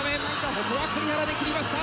ここは栗原で切りました。